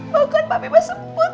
bahkan papi masih semput